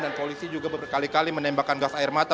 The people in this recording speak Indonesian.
dan polisi juga berkali kali menembakkan gas air mata